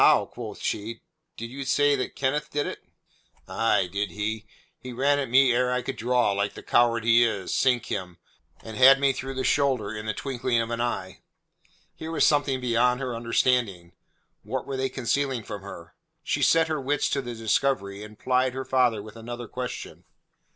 quoth she. "Do you say that Kenneth did it?" "Aye, did he. He ran at me ere I could draw, like the coward he is, sink him, and had me through the shoulder in the twinkling of an eye." Here was something beyond her understanding. What were they concealing from her? She set her wits to the discovery and plied her father with another question.